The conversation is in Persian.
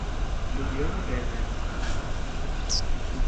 لوبیای قرمز